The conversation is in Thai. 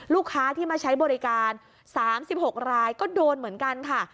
ลูกค้าที่มาใช้บริการ๓๖รายก็โดนเหมือนกันค่ะ